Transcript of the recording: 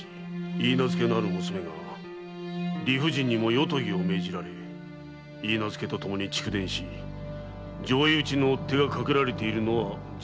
許婚のある娘が理不尽にも夜伽を命じられ許婚とともに逐電し上意討ちの追手がかけられているのは事実らしい。